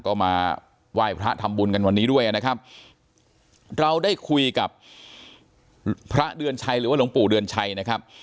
ก็มาไหว้พระทำบุญกันวันนี้ด้วยนะครับเราได้คุยกับพระเดือนชัยหรือว่าหลวงปู่เดือนชัยนะครับ